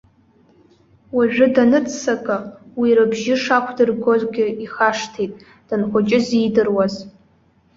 Уажәы даныццакы, уи рыбжьы шақәдыргогьы ихашҭит, данхәыҷыз иидыруаз.